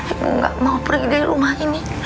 ibu gak mau pergi dari rumah ini